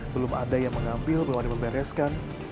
belum ada yang mengambil belum ada yang membereskan